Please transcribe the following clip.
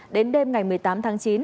đến đêm ngày một mươi tám tháng chín